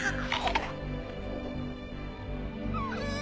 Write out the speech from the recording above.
うん。